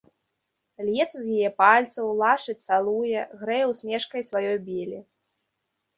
Льецца з яе пальцаў, лашчыць, цалуе, грэе ўсмешкай сваёй белі.